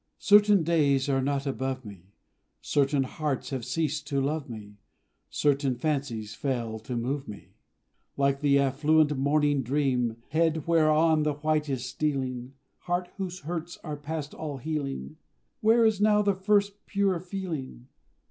Certain days are not above me, Certain hearts have ceased to love me, Certain fancies fail to move me Like the affluent morning dream. Head whereon the white is stealing, Heart whose hurts are past all healing, Where is now the first pure feeling?